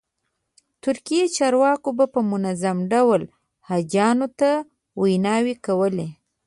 ترکي چارواکو به په منظم ډول حاجیانو ته ویناوې کولې.